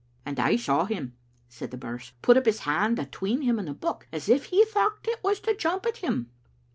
"And I saw him," said Birse, "put up his hand atween him and the Book, as if he thocht it was to jump at him."